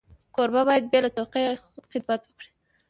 کوربه باید بې له توقع خدمت وکړي.